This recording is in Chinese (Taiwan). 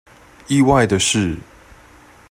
意外的是